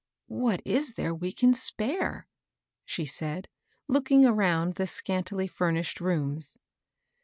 " What is there we can spare ?" she said, looking around the scantily ftirnished rooms.